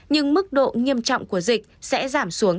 nhưng mức độ nghiêm trọng của dịch sẽ giảm xuống